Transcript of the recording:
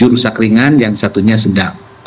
enam puluh tujuh rusak ringan yang satunya sedang